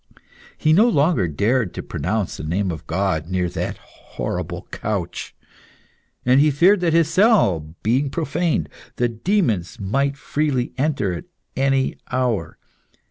He no longer dared to pronounce the name of God near that horrible couch, and he feared that his cell being profaned, the demons might freely enter at any hour.